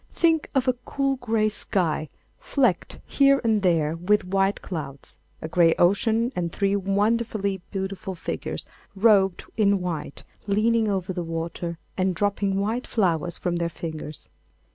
Think of a cool grey sky flecked here and there with white clouds, a grey ocean and three wonderfully beautiful figures robed in white, leaning over the water and dropping white flowers from their fingers.